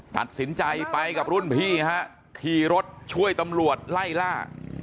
ตัดสินใจไปกับรุ่นพี่ฮะขี่รถช่วยตำรวจไล่ล่า